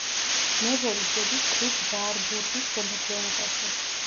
ნეველი შედის ტრირ-ზაარბურგის შემადგენლობაში.